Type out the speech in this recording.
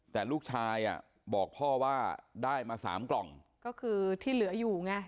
แต่ลูกชายอ่ะบอกพ่อว่าได้มาสามกล่องก็คือที่เหลืออยู่ไง